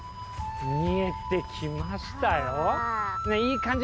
見えてきましたよ。